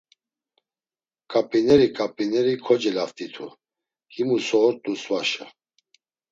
Ǩap̌ineri ǩap̌ineri kocelaft̆itu himu so ort̆u svaşa.